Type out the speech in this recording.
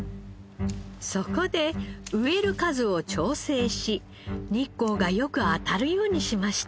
そこで植える数を調整し日光がよく当たるようにしました。